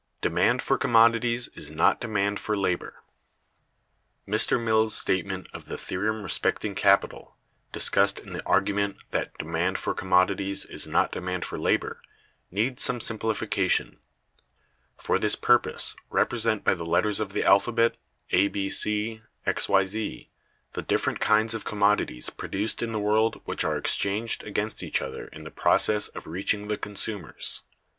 Demand for Commodities is not Demand for Labor. Mr. Mill's statement of the theorem respecting capital, discussed in the argument that "demand for commodities is not demand for labor," needs some simplification. For this purpose represent by the letters of the alphabet, A, B, C, ... X, Y, Z, the different kinds of commodities produced in the world which are exchanged against each other in the process of reaching the consumers.